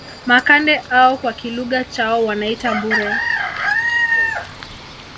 Makande au kwa kilugha chao wanaita Mbure